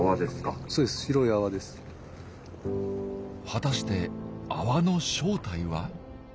果たして泡の正体は？